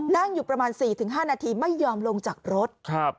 นั่งอยู่ประมาณ๔๕นาทีไม่ยอมลงจากรถ